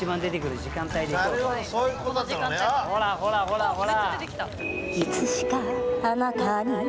ほらほらほらほら！